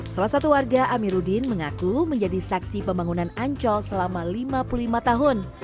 salah satu warga amiruddin mengaku menjadi saksi pembangunan ancol selama lima puluh lima tahun